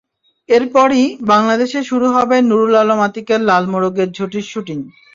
এরপরই বাংলাদেশে শুরু হবে নুরুল আলম আতিকের লাল মোরগের ঝুঁটির শুটিং।